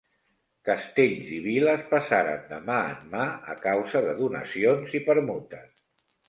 Castells i viles passaren de mà en mà a causa de donacions i permutes.